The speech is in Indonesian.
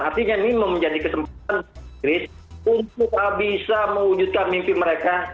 artinya ini menjadi kesempatan inggris untuk bisa mewujudkan mimpi mereka